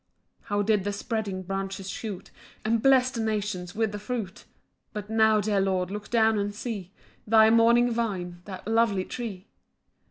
6 How did the spreading branches shoot, And bless the nations with the fruit! But now, dear Lord, look down and see Thy mourning vine, that lovely tree.